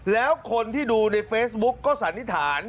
แล้วคนที่ดูในเฟซบุ๊กก็สันนิษฐาน